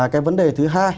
cái vấn đề thứ hai